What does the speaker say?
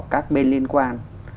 các bên liên quan